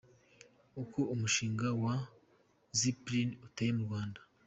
Uko umushinga wa Zipline uteye mu Rwanda.